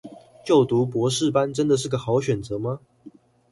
就讀博士班真的是個好選擇嗎